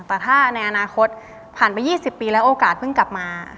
แต่ถ้าในอนาคตผ่านไป๒๐ปีแล้วโอกาสเพิ่งกลับมา